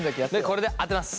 これで当てます。